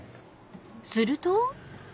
［すると］